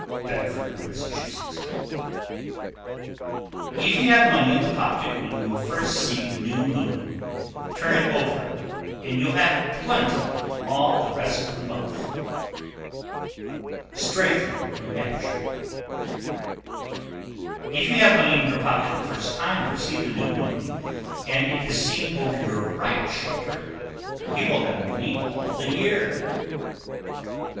Bedford, Mass. 1199.[TN 10] If you have money in the pocket when you first see the new moon, turn it over, and you'll have plenty all the rest of the month. Stratham, N.H. 1100. If you have money in your pocket the first time you see the new moon, and it is seen over your right shoulder, you will have money all the year.